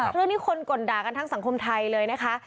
เรื่องนี้คนก่นด่ากันทั้งสังคมไทยเลยนะคะ